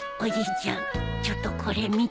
ちょっとこれ見て。